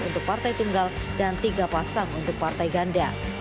untuk partai tunggal dan tiga pasang untuk partai ganda